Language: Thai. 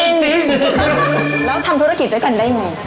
จริงแล้วทำธุรกิจด้วยกันได้ไง